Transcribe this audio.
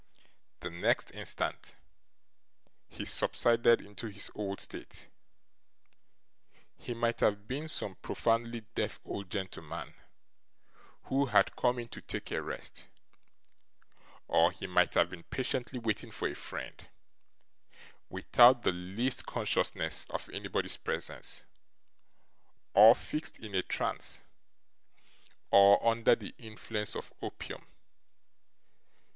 The next instant he subsided into his old state. He might have been some profoundly deaf old gentleman, who had come in to take a rest, or he might have been patiently waiting for a friend, without the least consciousness of anybody's presence, or fixed in a trance, or under the influence of opium.